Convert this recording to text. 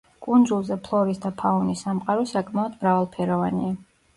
კუნძულზე ფლორის და ფაუნის სამყარო საკმაოდ მრავალფეროვანია.